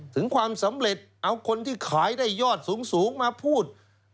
ถึงความสำเร็จเอาคนที่ขายได้ยอดสูงมาพูด